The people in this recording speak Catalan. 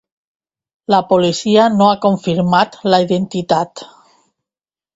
La policia no ha confirmat la identitat.